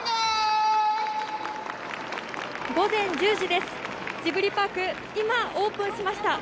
午前１０時です、ジブリパーク、今オープンしました。